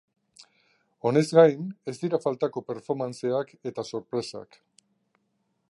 Honez gain, ez dira faltako performanceak eta sorpresak.